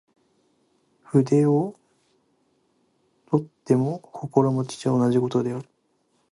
筆を執とっても心持は同じ事である。